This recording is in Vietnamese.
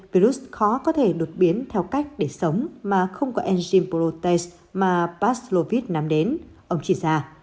virus khó có thể đột biến theo cách để sống mà không có enzyme protease mà pazlovit nắm đến ông chỉ ra